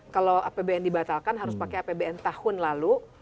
kalau apbn dibatalkan harus pakai apbn tahun lalu